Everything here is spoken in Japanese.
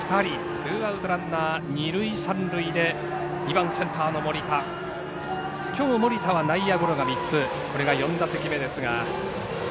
ツーアウトランナー二塁三塁で２番センターの森田きょう森田は内野ゴロが３つこれが４打席目。